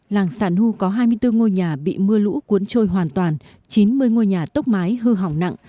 làng sản hưu có hai mươi bốn ngôi nhà bị mưa lũ cuốn trôi hoàn toàn chín mươi ngôi nhà tốc mái hư hỏng nặng